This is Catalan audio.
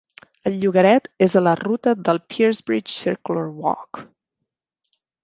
El llogaret és a la ruta del Piercebridge Circular Walk.